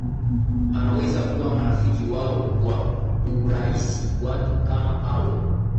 anaweza kuwa marafiki wao kwa urahisi Watu kama hao